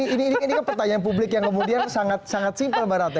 ini kan pertanyaan publik yang kemudian sangat simple mbak ratna